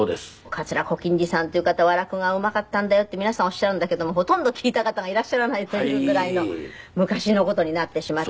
「桂小金治さんという方は落語がうまかったんだよ」って皆さんおっしゃるんだけどもほとんど聴いた方がいらっしゃらないというぐらいの昔の事になってしまって。